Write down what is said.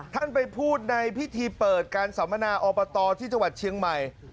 ท่านไปพูดในพิธีเปิดการสัมมนาอบตที่จังหวัดเชียงใหม่